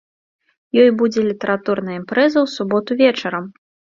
Ёй будзе літаратурная імпрэза ў суботу вечарам.